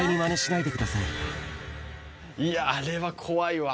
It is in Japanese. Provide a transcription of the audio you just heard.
いやー、あれは怖いわ。